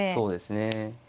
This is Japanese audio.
そうですね。